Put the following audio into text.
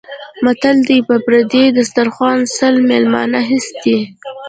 متل دی: په پردي دسترخوان سل مېلمانه هېڅ دي.